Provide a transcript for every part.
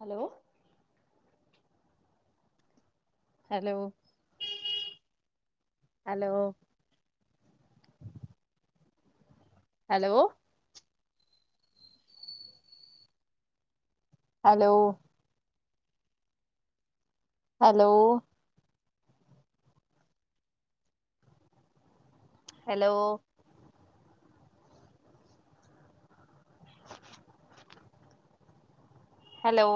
Hello hello hello hello hello hello hello [unintelligible] hello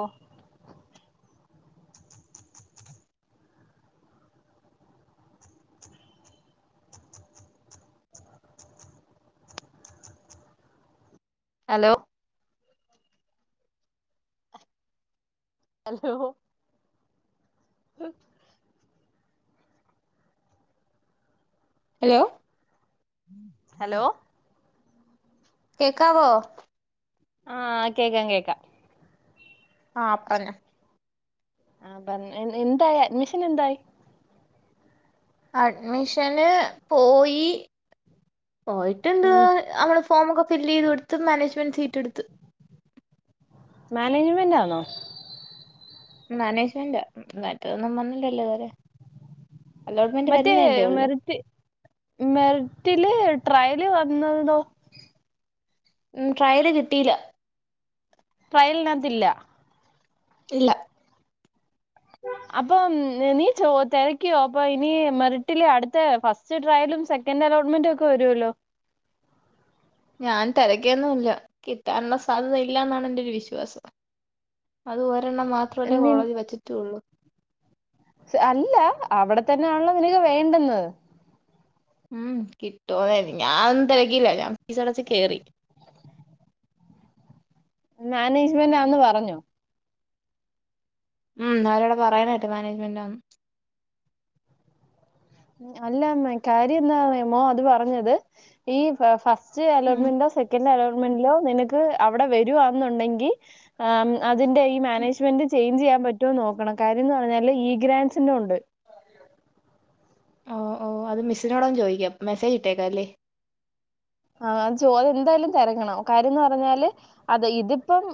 hello hello ഹ് ഹ് [unintelligible] hello hello കേക്കാവോ? ആഹ് കേക്കാം കേക്കാം ആഹ് പറഞ്ഞോ ആഹ് പറ എന്തായി അഡ്മിഷൻ എന്തായി. അഡ്മിഷന് പോയി പോയിട്ടുണ്ട് ഉം അവള് ഫോമൊക്കെ ഫിൽ ചെയ്ത് കൊടുത്ത് മാനേജ്മെന്റ് സീറ്റെടുത്ത് മാനേജ്മെന്റ് ആണോ മാനേജ്മെന്റാ മറ്റേതൊന്നും വന്നില്ലല്ലോ ഇത് വരെ മറ്റേ ഉള്ളൂ മെറിറ്റ് മെറിറ്റില് ട്രയല് വന്നതൊ ഉം ട്രയല് കിട്ടിയില്ല. ട്രയലിനകത്തില്ല. ഇല്ല അപ്പം നീ ചോ തിരക്കിയോ അപ്പൊ ഇനി മെറിറ്റിലെ അടുത്ത ഫസ്റ്റ് സ്‌റ്റ്‌ട്രയലും സെക്കൻറ് അലോട്ട്മെന്റ് ഒക്കെ വരുമല്ലോ? ഞാൻ തിരക്കിയൊന്നുമില്ല കിട്ടാനുള്ള സാധ്യത ഇല്ല എന്നാണ് എന്റൊരു വിശ്വാസം. അതും ഒരെണ്ണം മാത്രമല്ലേ നി കോളേജിൽ വെച്ചിട്ടും ഉള്ളൂ. അല്ല അവിടെ തന്നെ ആണല്ലോ നിനക്ക് വേണ്ടന്ന് ഉം കിട്ടോ ഞാനും തിരക്കിയില്ല ഞാൻ ഫീസ് അടച്ച് കേറി മാനേജ്‌മെന്റാന്ന് പറഞ്ഞു. ഉം അവരവിടെ പറയുന്ന കേട്ട് മാനേജ്മെന്റാന്ന്. അല്ലമ്മേ കാര്യം എന്താന്നറിയാമോ അത് പറഞ്ഞത് ഈ ഫസ്റ്റ് ഉം ഉം അലോട്ട്മെന്റോ സെക്ക അലോട്മെന്റിലോ നിനക്ക് അവിടെ വരുവാെന്നുണ്ടെങ്കിൽ ആഹ് അതിന്റെ ഈ മാനേജ്മെന്റ് ചേയിഞ്ച് ചെയ്യാൻ പറ്റോ നോക്കണം കാര്യംന്ന് പറഞ്ഞാല് ഈ ഗ്രാൻസിന്റെ ഉണ്ട് ഓ ഓ അത് മിസിനോട് ഒന്ന് ചോദിക്കാം മെസ്സേജ് ഇട്ടേക്കാം അല്ലേ ആഹ് ചോദ്യം എന്തായാലും തിരക്കണം കാര്യംന്ന് പറഞ്ഞാല് അതെ ഇതിപ്പം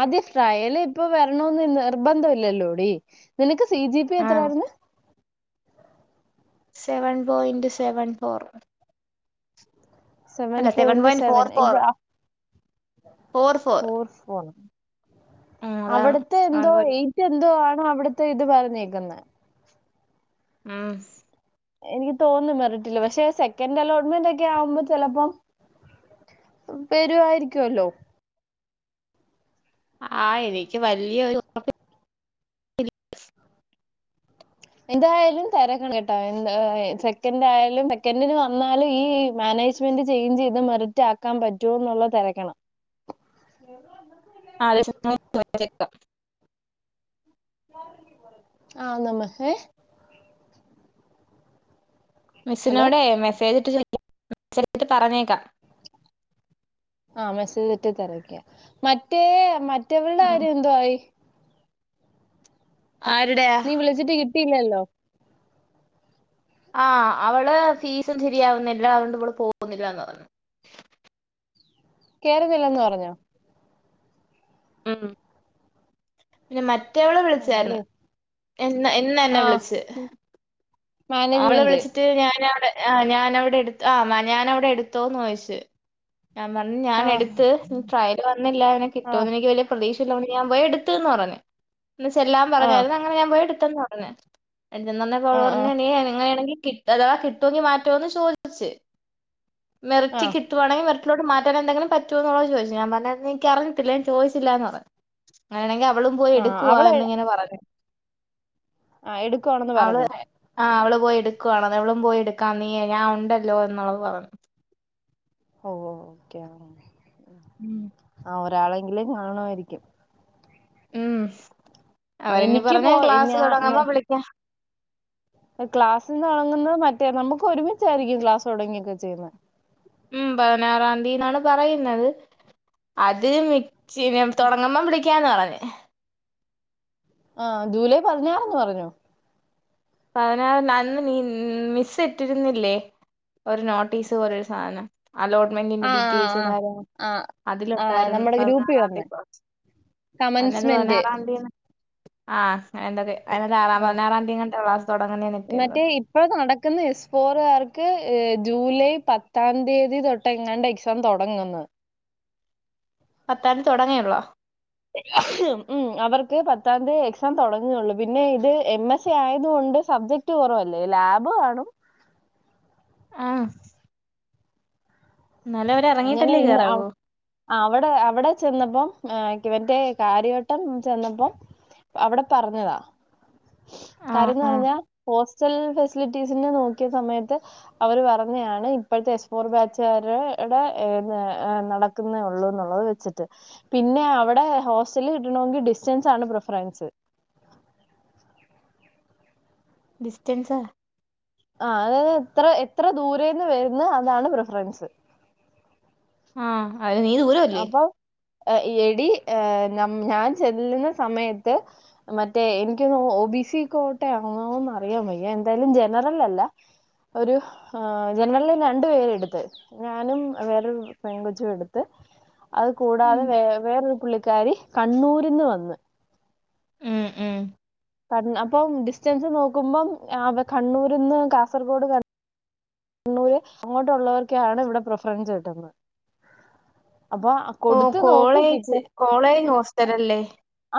ആദ്യ ഡ്രയല് ഇപ്പൊ വരണന്ന് നിർബന്ധം ഇല്ലല്ലോടി. നിനക്ക് സി ജി പി ആ എത്രായിരുന്നു seven point seven four seven അല്ല പോയിന്റ് സെവൻ ഫോർ ഫോർ ഇപ്പോ ഫോർ ഫോർ അതാണ് അവിടുത്തെ സെവൻ എന്തോ പോയിന്റ് വെയിറ്റ് എന്തോ ആണോ അവിടുത്തെ ഇത് പറഞ്ഞേക്കുന്നെ ആഹ് എനിക്ക് തോന്നുന്നു മെറിറ്റില് പക്ഷെ സെക്കൻഡ് അലോട്ട്മെന്റ് ഒക്കെ ആവുമ്പോ ചെലപ്പം തരുവായിരിക്കുവല്ലോ. ആഹ് എനിക്ക് വലിയൊരു എന്തായാലും തെരക്കണട്ടോ എന്താ സെക്കൻഡ് ആയാലും സെക്കൻന്റിന് വന്നാലും ഈ മാനേജ് ജ്മെൻറ് ചെയ്ഞ്ച് ചെയ്ത് മെറിറ്റാക്കാൻ പറ്റോ ന്നുള്ളത് തെരക്കണം. [unintelligible] ആഹ് [unintelligible] ഹലോ മിസ്സിനോടെ മെസ്സേജ് ഇട്ട് മെസ്സേജ്ട്ട് പറഞ്ഞേക്കാം ആഹ് മെസ്സേജ്ട്ട് തിരക്ക മറ്റേ മറ്റവള്ടെ ഉം. കാര്യം എന്തായി. ആരുടെ നീ വിളിച്ചിട്ട് കിട്ടിയില്ലല്ലോ ആഹ് അവള് ഫീസും ശരിയാവുന്നല്ല അതുകൊണ്ട് ഇവള് പോകുന്നില്ലന്ന് പറഞ്ഞു. കേറുന്നില്ലന്ന് പറഞ്ഞോ? ഉം പിന്നെ മറ്റേവള് ആണല്ലേ വിളിച്ചായിരുന്നു ഇന്ന് എന്നെ ആ വിളിച്ച് അവള് മാനേജ്മെന്റ് വിളിച്ചിട്ട് ഞാനവിടെ ആ ഞാനവിടെ എടു ആ ഞാൻ അവിടെ എടുത്തോന്ന് ചോദിച്ചു ഞാൻ പറഞ്ഞു ഞാൻ ആ എടുത്ത് ട്രയല് വന്നില്ല നെ ആ കിട്ടുമോന്ന് എനിക്ക് വലിയ പ്രതീക്ഷള്ളതോണ്ട് ഞാൻ പോയി എടുത്ത്ന്ന് പറഞ്ഞു ഇന്ന് ചെല്ലാൻ ആഹ് പറഞായിരുന്ന് ആഹ് [unintelligible] ആഹ് ഇങ്ങനാണെങ്കി അഥവാ കിട്ടോങ്കിൽ മാറ്റോന്ന് ചോദിച്ച് മെറിറ്റ് ആഹ് കിട്ടു കിട്ടുവാണെങ്കിൽ മെറിറ്റിലോട്ട് മാറ്റൻ എന്തങ്കിലും പറ്റോന്നുള്ള ചോദിച്ചു ഞാൻ പറഞ് എനിക്കറിയത്തില്ല ഞാൻ ചോദിച്ചില്ലാന്ന് പറഞ്ഞു [inaudible] അങ്ങനെയാണെങ്കിൽ അവളും പോയി ആഹ് എടുക്കുവാ അവള് എന്നിങ്ങനെ പറഞ്ഞു. ആ എടുക്കുവാണെന്ന് പറഞ്ഞോ ആഹ് അവള് പോയി എടുക്കുവാണ അവളും പോയി എടുക്കാ നീ ഞാ ഉണ്ടല്ലോ എന്നുള്ളത് പറഞ്ഞു ഓഹ് ഓക്കെ ഉം ആ ഒരാളെങ്കിലും കാണുവായിരിക്കും ഉം അവരന്നി എനിക്ക് പറഞ്ഞേ പോ ക്ലാസ് ഞാ തൊടങ്ങുമ്പ വിളിക്കാ ക്ലാസ്സിന്ന് തൊടങ്ങുന്നത് മറ്റേ നമുക്കൊരുമിച്ചായിരിക്കും ക്ലാസ് തൊടങ്ങിയൊക്കെ ചെയ്യുന്ന ഉം പതിനാറാംതീ യെന്നാണ് പറയുന്നത് അത് മി [unintelligible] തൊടങ്ങുമ്പം വിളിക്കാന്ന് പറഞ് ആ ജൂലൈ പതിനാറ്ന്ന് പറഞ്ഞു പതിനാറിന്ന് അന്ന് നീ മിസ് ഇട്ടിരുന്നില്ലേ ഒരു നോട്ടീസ് പോലൊരു സാധനം അലോട്ട്മെന്റിന്റെ ആഹ് ഡീറ്റെയിൽസും ആഹ് കാര്യങ്ങളും ആഹ് ആഹ് അതിലുണ്ടായിരുന്നു നമ്മുടെ ഗ്രൂപ്പിൽ പതിനാറാംതി വന്ന് ക്ലാസ്സ്‌ അതിനകത്ത് കമൻസ്മെന്റ് പതിനാറാംന്തീന്ന് ആഹ് വേണ്ടത് [unintelligible] പതിനാറാംന്തി എങ്ങാണ്ടാ ക്ലാസ്സ്‌ തൊടങ്ങുന്നേ മറ്റേ നിട്ടിരുന്നത്. ഇപ്പൊ നടക്കുന്ന എസ് ഫോറുകാർക്ക് ജൂലൈ പത്താം തീയതി തൊ ട്ടെങ്ങാണ്ട എക്സാം തൊടങ്ങുന്നത് പത്താം ന്തി തൊടങ്ങേ ഒള്ളോ ഉം അവർക്ക് പത്താന്തി എക്സാം തൊടങ്ങെയൊള്ളൂ പിന്നെ ഇത് എം എസ് സി ആയതുകൊണ്ട് സബ്ജക്ട് ക്ട് ‌ കൊറവല്ലേ ലാബ് കാണും ആഹ് ഇന്നാലേ പ അങ്ങനെ ഇന്ന് അവ് ആ അവടെ അവടെ ചെന്നപ്പം ഏഹ് കിവന്റെ കാര്യവട്ടം ചെന്നപ്പം അവടെ പറഞ്ഞതാ ആ കാര്യന്ന് ആ പറഞ്ഞ ഹോസ്റ്റൽ ഫെസി ലിറ്റീസിന് നോക്കിയ സമയത്ത് അവര് പറഞ്ഞതാണ് ഇപ്പഴത്തെ എസ് ഫോർ ബാച്ച്കാര് ഇടെ ഏഹ് നടക്കുന്നേള്ളൂ എന്നുള്ളത് വെച്ചിട്ട് പിന്നെ അവടെ ഹോസ്റ്റൽ കിട്ടണെങ്കിൽ ഡിസ്റ്റൻസ് ആണ് പ്രിഫറൻസ് ഡിസ്റ്റെൻസ ആഹ് അതത് എത്ര എത്ര ദൂരേന്ന് വരുന്നു അതാണ് പ്രിഫറൻസ് ആഹ് അത് നീത് [unintelligible] അപ്പൊ എടി ഏഹ് ഞാൻ ചെല്ല്ണ സമയത്ത് മറ്റേ എനിക്കൊന്ന ഒ ബി സി കോട്ടെ ആണോന്ന് അറിയാം വയ്യ. എന്തായാലും ജനറൽ അല്ല. ഒരു ജനറല് രണ്ടു പേരെ എടുത്ത് ഞാനും വേറൊരു പെൺ കൊച്ചും എടുത്ത് അത് കൂടാതെ ഉം വേ വേറൊരു പുള്ളിക്കാരി കണ്ണൂരിന്ന് വന്ന് ഉം ഉം ക അപ്പം ഡിസ്റ്റൻസ് നോക്കുമ്പം കണ്ണൂർന്ന് കാസർഗോഡ ക കണ്ണൂര് അങ്ങോട്ടുള്ളവർക്കാണ് ഇവിടെ പ്രിഫറൻസ് കിട്ടുന്നത് അപ്പൊ ഓഹ് കൊടുത്ത് നോക്കി കോളേജ് കിട്ടും കോളേജ് ഹോസ്റ്റലല്ലേ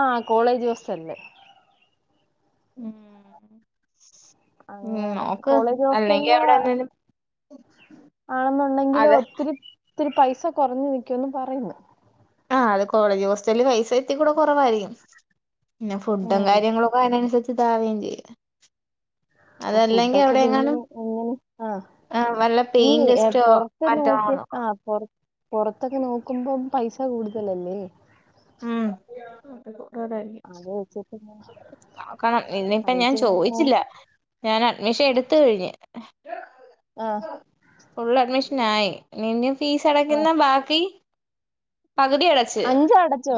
ആ കോളേജ് ഹോസ്റ്റല്ല് ഉം ഉം അങ്ങനെ നോക്ക് കോളേജ് അല്ലെങ്കി ഹോസ്റ്റലില് അവിടെന്തേലും ആണെന്നുണ്ടെങ്കില് ഒത്തിരി ഒത്തിരി പൈസ കുറഞ്ഞു നിക്കുവെന്ന് പറയുന്നു ആഹ് അത് കോളേജ് ഹോസ്റ്റലിൽ പൈസ ഇത്തിരി കൂടെ കുറവായിരിക്കും പിന്നെ ഫുഡും ഉം കാര്യങ്ങളും ഒക്കെ അതിനനുസരിച്ച് താവേ ചെയ്യ ഫുഡൊക്കെ പിന്നെ എങ്ങാനും എങ്ങനെ ആ ആഹ് വല്ല ഈ പെയിന്റ് ഗസ്റ്റോ പൊറത്ത് മറ്റോ നോക്കി നോക്കണം ആഹ് പൊറ പൊർത്തൊക്കെ നോക്കുമ്പോം പൈസ കൂടുതലല്ലേ ഉം ഉ [inaudible] ആക്കണം ഇനിയിപ്പ ഞാൻ ചോയിച്ചില്ല ഞാൻ അഡ്മിഷൻ എടുത്ത് കഴിഞ്ഞ് ആഹ് ഫുൾ അഡ്മിഷൻ ആയി നി ഫീസ് ആഹ് അടക്കുന്ന ബാക്കി പകുതി അടച്ച്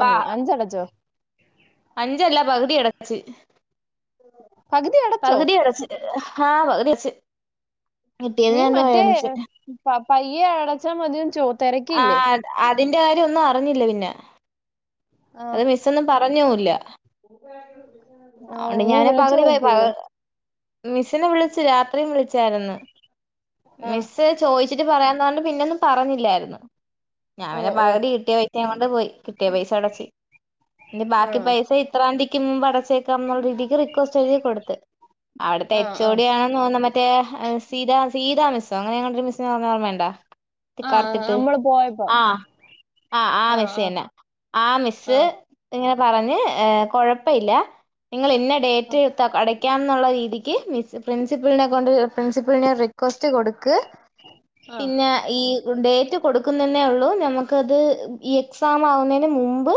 ബ അഞ്ചടച്ചോ അഞ്ചല്ല പകുതി അടച്ച് പകുതി അടച്ചോ പകുതി അടച്ച് ആഹ് പകുതി അട്ച്ച് കിട്ടിയത് നീ രണ്ടും മറ്റേ അട് ച്ച് പ പയ്യെ അടച്ചാ മതിയെന്ന് ചോ തെരക്കിയില്ലേ ആഹ് അതിന്റെ കാര്യ ഒന്നും അറിഞ്ഞില്ല പിന്നെ അത് ആഹ് മിസ്സൊന്നും പറഞ്ഞൂല്ല ഓഹ് ഉണ്ട് നീ ഞാന വിളിച്ചു പകുതി പോയി പകു നോക്കിയില്ലേ മിസ്സിനെ വിളിച്ചു രാത്രിയും വിളിച്ചായിരുന്നു ആഹ് മിസ്സ് ചോയിച്ചിട്ട് പറയാന്നർഞ്ഞ്ട്ട് പിന്നൊന്നും പറഞ്ഞില്ലായിരുന്നു ഞാൻ പിന്നെ ഓഹ് ഓഹ് പകുതി കിട്ടിയ പൈ കൊണ്ട് പോയി കിട്ടിയ പൈസ അടച്ച് എന്റെ ബാക്കി ആണോ പൈസ ഇത്രാന്തിക്ക് മുമ്പ് അടച്ചേക്കാം ന്നുള്ള രീതിക്ക് റിക്വസ്റ്റ് എഴുതി കൊടുത്ത് ആഹ് ആഹ് അവിടത്തെച്ചോടിയാണ് ന്ന മറ്റേ സീത സീതാ മിസോ അങ്ങനെ എങ്ങണ്ടൊരു മിസ്ന്ന് പർഞ്ഞ ഓർമ്മണ്ടോ? ആ കർത്തിട്ട് നമ്മള് പോയപ്പോ ആഹ് ആഹ് ആ ആഹ് ആ മിസ്സന്നെ ആ മിസ് ആ ഇങ്ങനെ പറഞ്ഞ് കുഴപ്പ ഇല്ലാ നിങ്ങൾ ഇന്ന ആ ഡേറ്റ് അടയ്ക്കാ ന്നുള്ള രീതി ക്ക് പ്രിൻസിപ്പിളിനെ കൊണ്ട് പ്രിൻസിപ്പിളിന് ഒരു റിക്വസ്റ്റ് കൊടുക്ക് ആ പിന്നെ ഈ ഡേറ്റ് കൊടുക്കുന്നന്നെ ഉള്ളു നമുക്കത് ഈ എക്സാം ആവുന്നതിന് മുമ്പ്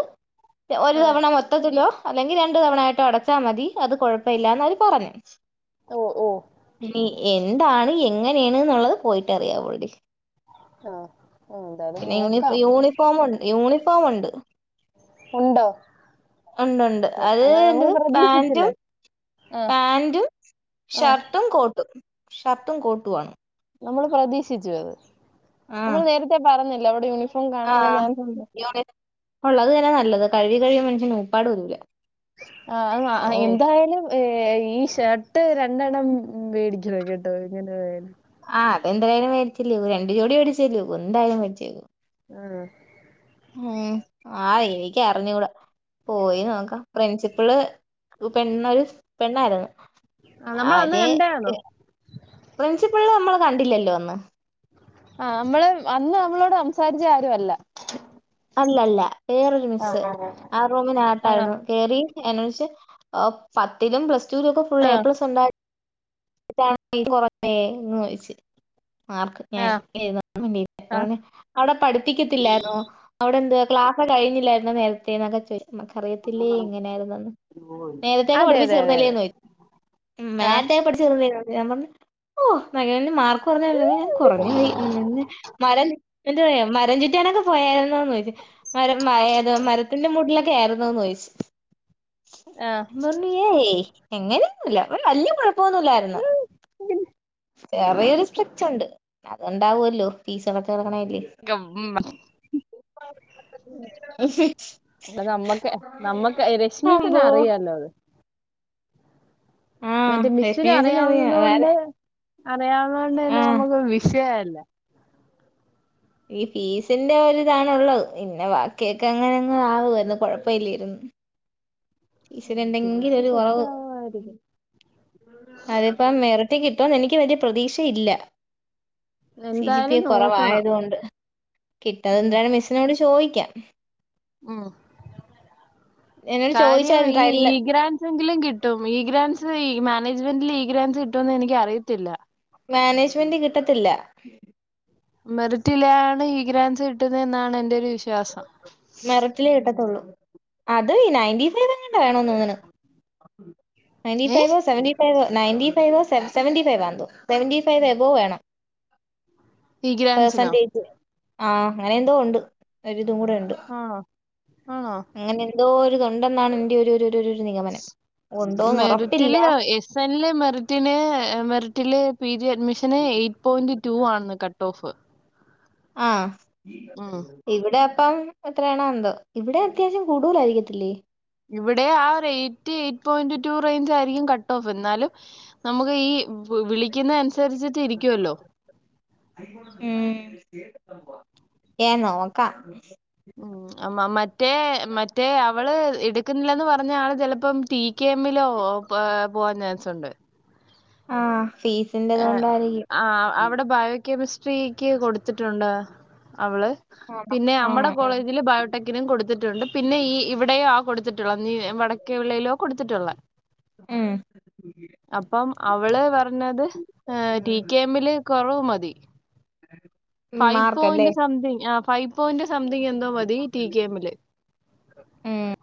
ഒരു ആ തവണ മൊത്തത്തിലോ അല്ലെങ്കിൽ രണ്ടു തവണ ആയിട്ടോ അടച്ചാ മതി അത് കുഴപ്പ ഇല്ലാന്ന് അവര് പറഞ്ഞു ഓ ഓ നീ എന്താണ് എങ്ങനെയാണ് എന്നുള്ളത് പോയിട്ടറിയാവള്ളി ആ ഉം എന്തായാലും പിന്നെ യൂണി നോക്കാം യൂണിഫോമൊ യൂണിഫോമ് ഉണ്ട് ഉണ്ടോ ഉണ്ട്ണ്ട് അത് എന്നാ എന്തോ നമ്മള് പ്രതീക്ഷിച്ചില്ല പാന്റും ആ പാന്റും ആ ഷർട്ടും കോട്ടും, ഷർട്ടും കോട്ടും ആണ്. നമ്മൾ പ്രതീക്ഷിച്ചു. ആഹ് നമ്മള് നേരത്തെ പറഞ്ഞില്ലേ അവിടെ യൂണിഫോ ഇപ്പം കാണാനുള്ള ഞാ [unintelligible] ഉള്ളത്‌ തന്നെ നല്ലത്. കഴുകി കഴിയുമ്പ മനഷ്യന്റെ ഊപ്പാട് ഊരൂല്ല. ആഹ് അത് ആ എന്തായാലും ഏഹ്, ഈ ഷർട്ട് രണ്ടെണ്ണം മേടിക്കുവോ കേട്ടോ ഇങ്ങനെ. ആഹ്, അതെന്തായാലും മേരിച്ചില്ലേ, രണ്ട് ജോടി മേടിച്ചില്ലേ. എന്തായാലും മേടിച്ചേക്കും. ഉം ഉം, ആ എനിക്ക് അറിഞ്ഞുകൂട. പോയി നോക്കാം. പ്രിൻസിപ്പള് പെണ്ണൊരു പെണ്ണായിരുന്നു. ആ, നമ്മൾ അന്ന് അവര് കണ്ടാണോ പ്രിൻസിപ്പളിനെ നമ്മള് കണ്ടില്ലല്ലോ അന്ന് ആഹ്, നമ്മള് അന്ന് നമ്മളോട് സംസാരിച്ച ആരു അല്ല. അല്ല അല്ല പേറൊരു മിസ്സ്, ആ ആണോ റൂമിനകത്തായിരുന്നു. കേറി എന്ന്‌ വെച്ച് ഓ പത്തിലും പ്ലസ് ടുലും ഒക്കെ ഫുൾ ആ എ പ്ലസ് ഉണ്ടാ [unintelligible] ന്ന് ചോയിച്ച്. ആ [unintelligible] ആ അവിടെ പഠിപ്പിക്കത്തില്ലായിരുന്നോ? അവിടെ എന്ത് ക്ലാസ് കഴിഞ്ഞില്ലായിരുന്നോ നേരത്തെേ എന്നൊക്കെ ചോദി നമക്കറിയത്തില്ലേ ഇങ്ങനെയായിന്നന്ന്. നേരത്തേക്കെ അതെ പഠിപ്പിച്ച് അതെ അതെ അതെ തീർന്നില്ലേയെന്ന് ചോദി ഉം [unintelligible] ചെറു [unintelligible] ഞാൻ പറഞ്ഞു ഓഹ് മകന്റെ മാർക്ക് കുറഞ്ഞല്ലെങ്കിൽ ഞാൻ ആ കുറഞ്ഞു പോയി നിന്നെ മരം എന്ത പറയാ മരം ചുറ്റിയണൊക്കെ പോയരന്ന് ചോയിച്ച് മരം മഴേത് മരത്തിന്റെ മൂട്ടിലൊ ടെ ആയിരുന്നൂന്ന് ചോയിച്ച് [unintelligible] ഏയ് എങ്ങനെയൊന്നുല്ല അവന് വല്ല്യ കൊഴപ്പൊന്നുല്ലായിരുന്നു ആഹ് ചെറിയൊരു സ്ട്രിക്ച്ച് ഉണ്ട് അത്ണ്ടാവുല്ലോ ഫീസ്ട ക്കാടങ്ങണേല് [unintelligible] മ [inaudible] [unintelligible] അപ്പം നമ്മക്ക് നമ്മക്ക് രശ്മി മിസിന് അമ്പോ അറിയാല്ലോ അത് ആഹ് മറ്റേ രശ്മി മിസ്സിന് മിസ്സിനെ അറിയാം അറിയാവുന്നത് അതാര കൊണ്ട് അറിയാവുന്ന കൊണ്ട് തന്നെ ആഹ് നമുക്ക് വിഷയല്ല ഈ ഫീസിന്റെ ഒരിതാണുള്ളത് പിന്നെ ബാക്കിയൊക്കെ അങ്ങനെങ്ങെ ആവ എന്ന് കുഴപ്പ ഇല്ലരുന്നു ഫീസിന് കേസ് എന്തെങ്കിലൊരു സെറ്റ് കൊറവ് ആവുമായിരിക്കും അതിപ്പം മെറിറ്റി കിട്ടോന്ന് എനിക്ക് വല്ല്യ പ്രതീക്ഷയില്ല സി ജി പി എന്തായാലും നോക്കണം കൊറവായതു കൊണ്ട് കിട്ടാതെ ഉം എന്താണ് മിസ്സിനോട് ചോദിക്കാം ഉം എന്നോട് കാര്യം ചോദിച്ചായിരുന്നു ഈ ഈ ട്രയലില് ഗ്രാൻ എങ്കിലും കിട്ടും ഈ ഗ്രാൻസ് ഈ മാനേജ്മെന്റില് ഈ ഗ്രാൻസ് കിട്ടുംന്ന് എനിക്ക് അറിയത്തില്ല മാനേജ്മെന്റ് കിട്ടത്തില്ല മെറിറ്റിലാണ് ഈഗ്രാൻസ് കിട്ടുന്നെന്നാണ് എന്റെ ഒരു വിശ്വാസം മെറിറ്റിലേ കിട്ടത്തൊള്ളു അത് ഈ നയന്റി ഫൈവ് എങ്ങണ്ട് വേണോന്നോന്നണ് നയൻ്റി ഏ ഫൈവോ സെവൻ്റി ഫൈവ് നയന്റി ഫൈവോ സെവ് സെവന്റി ഫൈവാന്തോ സെവൻ്റി ഫൈവ് എബോ വേണം ഈ ഗ്രാൻസിനോ പെർസെന്റേജ് ആഹ് അങ്ങനെ എന്തോ ഉണ്ട് ഒരിതും കൂടെ ഉണ്ട് ആഹ് ആണാ അങ്ങനെ എന്തോ ഒരിതൊണ്ടെന്നാണ് എന്റെയൊരു ഒരു ഒരു ഒരു ഒരു നിഗമനം ഒണ്ടോന്ന് ഒറപ്പില്ല സനില് മെറിറ്റിന് മെറിറ്റില് പി ജി അഡ്മിഷന് എയ് പോയിന്റ് റ്റൂ ആണെന്ന് കട്ട് ഓഫ് ആഹ് ഉം ഇവിടെ അപ്പം എത്രയാണോ എന്തോ ഇവിടെം അത്യാവശ്യം കൂടൂലായിരിക്കത്തില്ലേ ഇവിടെം ആ ഒരു eight eight point two range ആയിരിക്കും കട്ട് ഓഫ് എന്നാലും നമുക്ക് ഈ വിളിക്കുന്ന അനുസരിച്ചിട്ട് ഇരിക്കുവല്ലോ ഉം ഏ നോക്കാം ഉം അമ്മ മറ്റേ മറ്റേ അവള് എടുക്കുന്നില്ലന്ന് പറഞ്ഞ ആള് ചെലപ്പം ടീ കെമ്മിലോ പോ പോവാൻ ചാൻസുണ്ട് ആഹ് ഫീസ് ഏഹ് ആഹ് അവിടെ ബയോകെമിസ് ട്രീക്ക് കൊടുത്തിട്ടുണ്ട അവള് ആഹ് പിന്നെ അമ്മടെ ആഹ് കോളേജില് ബയോ ട്ടെക്കിനും കൊടുത്തിട്ടുണ്ട് പിന്നെ ഈ ഇവിടെയും ആ കൊടുത്തിട്ടുള്ള നീ വടക്കേ വിളയിലോ കൊടുത്തിട്ടുള്ളെ ഉം അപ്പം അവള് പറഞ്ഞത് ടി കെ എമ്മില് കൊറവ് മതി [unintelligible] ഫൈവ് മാർക്കല്ലേ പോയിന്റ് സംതിങ്ങ് ആഹ് ഫൈവ് പോയിന്റ് സംതിങ്ങ് എന്തോ മതി ടി കെ എമ്മില് ഉം